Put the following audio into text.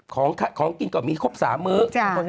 ของกินกว่ามีคุณ๓มือ